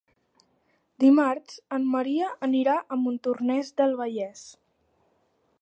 Dimarts en Maria anirà a Montornès del Vallès.